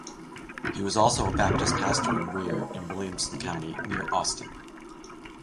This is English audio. He was also a Baptist pastor in Weir in Williamson County, near Austin.